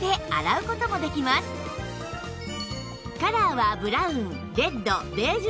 カラーはブラウンレッドベージュの３色